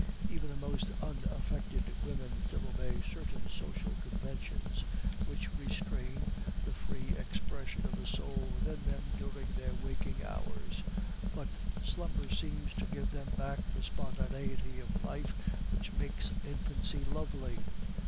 Even the most unaffected women still obey certain social conventions, which restrain the free expansion of the soul within them during their waking hours; but slumber seems to give them back the spontaneity of life which makes infancy lovely.